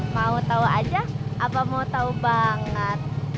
mau tau aja apa mau tau banget